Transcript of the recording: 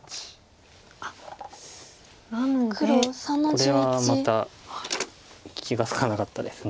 これはまた気が付かなかったです。